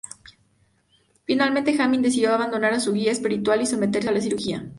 Finalmente Jobim decidió abandonar a su guía espiritual y someterse a la cirugía.